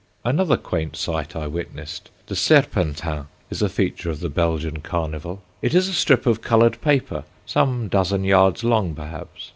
Another quaint sight I witnessed. The "serpentin" is a feature of the Belgian Carnival. It is a strip of coloured paper, some dozen yards long, perhaps.